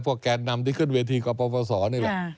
เพราะแกนนำที่ขึ้นเวทีกราบประวัติศาสตร์นี่แหละ